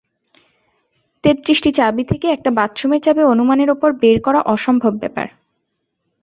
তেত্রিশটি চাবি থেকে একটা বাথরুমের চাবি অনুমানের ওপর বের করা অসম্ভব ব্যাপার।